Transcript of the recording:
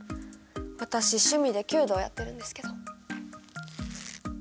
私趣味で弓道やってるんですけど。